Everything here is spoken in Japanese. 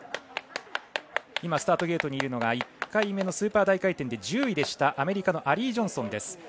スタートゲートにいるのが１回目のスーパー大回転で１０位でしたアメリカのアリー・ジョンソンです。